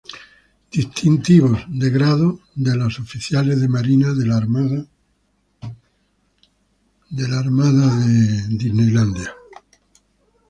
Distintivos de grado de los Oficiales de Marina de la Armada de Chile